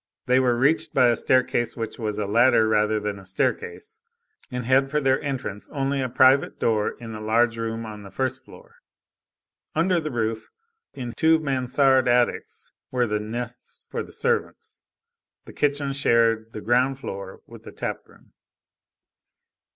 They were reached by a staircase which was a ladder rather than a staircase, and had for their entrance only a private door in the large room on the first floor. Under the roof, in two mansard attics, were the nests for the servants. The kitchen shared the ground floor with the tap room.